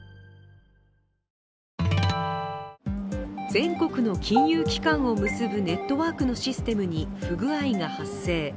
全国の金融機関を結ぶネットワークのシステムに不具合が発生。